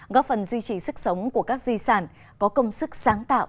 góp phần duy trì sức sống của các di sản có công sức sáng tạo